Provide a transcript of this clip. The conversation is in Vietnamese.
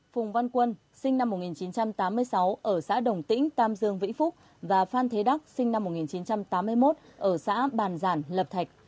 phùng văn quân sinh năm một nghìn chín trăm tám mươi sáu ở xã đồng tĩnh tam dương vĩnh phúc và phan thế đắc sinh năm một nghìn chín trăm tám mươi một ở xã bàn giản lập thạch